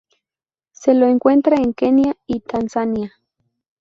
Se lo encuentra en Kenia y Tanzania.